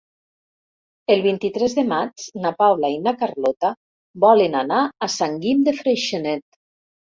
El vint-i-tres de maig na Paula i na Carlota volen anar a Sant Guim de Freixenet.